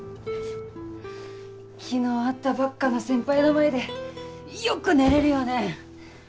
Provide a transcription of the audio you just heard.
昨日会ったばっかの先輩の前でよく寝れるよね。